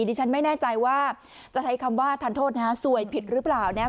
ดิฉันไม่แน่ใจว่าจะใช้คำว่าทานโทษนะฮะซวยผิดหรือเปล่านะ